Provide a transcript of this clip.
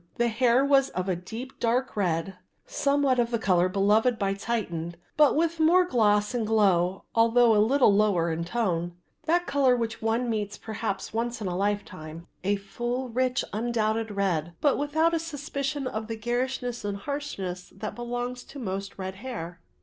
The hair was of a deep dark red, somewhat of the colour beloved by Titian, but with more gloss and glow although a little lower in tone; that colour which one meets perhaps once in a lifetime, a full rich undoubted red, but without a suspicion of the garishness and harshness that belongs to most red hair.